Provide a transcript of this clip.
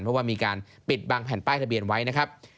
เพราะว่ามีการปิดบังแผ่นป้ายทะเบียนไว้นะครับ